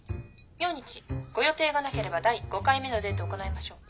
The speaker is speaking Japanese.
明日ご予定がなければ第５回目のデートを行いましょう。